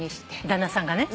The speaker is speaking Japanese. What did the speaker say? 旦那さんがね？